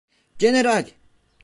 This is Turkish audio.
General!